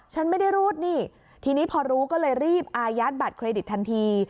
ฉันไม่ได้รูดนี่ทีนี้พอรู้ก็เลยรีบอายัดบัตรเครดิตทันที